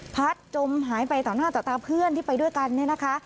จมหายไปต่อหน้าต่อตาเพื่อนที่ไปด้วยกันเนี่ยนะคะ